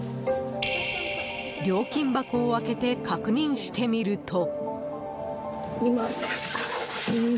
料金箱を開けて確認してみると。